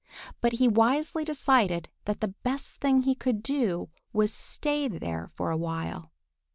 But he wisely decided that the best thing he could do was to stay there for a while.